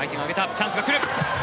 チャンスが来る。